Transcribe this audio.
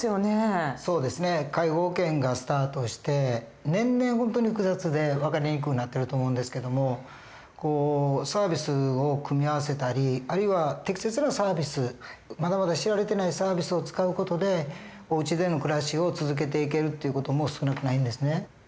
介護保険がスタートして年々本当に複雑で分かりにくうなってると思うんですけどもサービスを組み合わせたりあるいは適切なサービスまだまだ知られてないサービスを使う事でおうちでの暮らしを続けていけるっていう事も少なくないんですね。